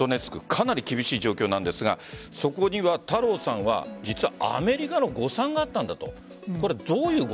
かなり厳しい状況なんですがそこには太郎さんは実はアメリカの誤算があったんだと。